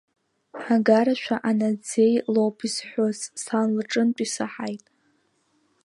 Агарашәа анаӡӡеи лоуп изҳәоз, сан лҿынтә исаҳаит.